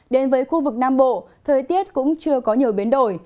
đến với khu vực nam bộ thời tiết cũng chưa có nhiều biến đổi